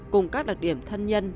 cùng các đặc điểm thân nhân